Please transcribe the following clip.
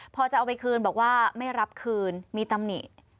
พอจะเอาไปคืนบอกว่าไม่รับคืนมีตำหนิ